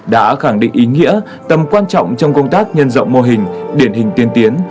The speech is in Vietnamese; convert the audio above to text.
đã khẳng định ý nghĩa tầm quan trọng trong công tác nhân rộng mô hình điển hình tiên tiến